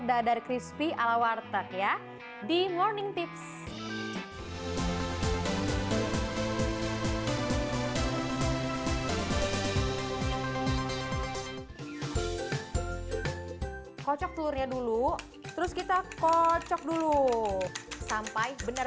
ada dari crispy ala warteg ya di morning tips kocok telurnya dulu terus kita kocok dulu sampai benar